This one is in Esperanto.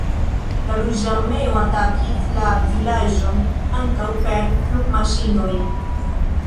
La Ruĝa Armeo atakis la vilaĝon ankaŭ per flugmaŝinoj.